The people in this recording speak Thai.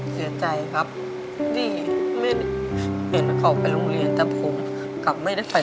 เสียใจครับที่ไม่ได้เห็นเขาไปโรงเรียนแต่ผมกลับไม่ได้ไป